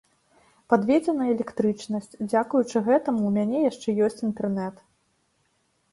Падведзена электрычнасць, дзякуючы гэтаму ў мяне яшчэ ёсць інтэрнэт.